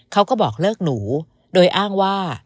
เขาก็บอกเลิกหนูโดยอ้างว่า